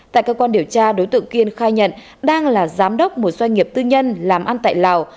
tại cơ quan điều tra đối tượng kiên khai nhận đang là giám đốc một doanh nghiệp tư nhân làm ăn tại lào